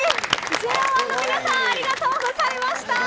ＪＯ１の皆さんありがとうございました。